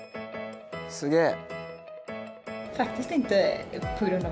すげえ。